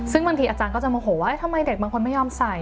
ซึ่งบางทีอาจารย์ก็จะโมโหว่าทำไมเด็กบางคนไม่ยอมใส่